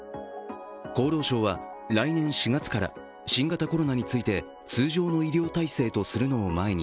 厚労省は来年４月から新型コロナについて通常の医療体制とするのを前に